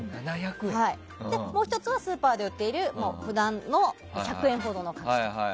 もう１つはスーパーで売っている１００円ほどの柿と。